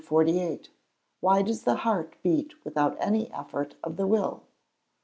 _Why does the heart beat without any effort of the will?